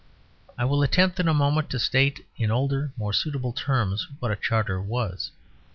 I will attempt in a moment to state in older, more suitable terms, what a charter was.